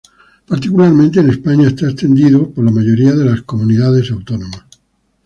Particularmente en España, está extendido por la mayoría de comunidades autónomas.